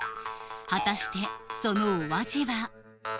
果たしてそのお味は？